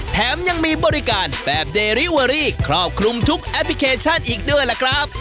แถมยังมีบริการแบบเดริเวอรี่ครอบคลุมทุกแอปพลิเคชันอีกด้วยล่ะครับ